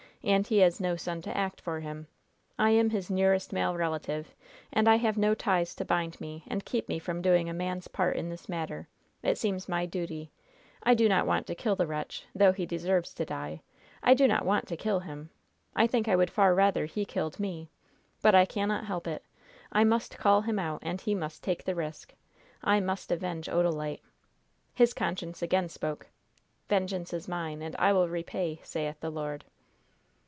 And he has no son to act for him! I am his nearest male relative, and I have no ties to bind me and keep me from doing a man's part in this matter; it seems my duty. I do not want to kill the wretch, though he deserves to die; I do not want to kill him! I think I would far rather he killed me! But I cannot help it! I must call him out, and he must take the risk! I must avenge Odalite!" His conscience again spoke: "Vengeance is mine, and I will repay, saith the Lord."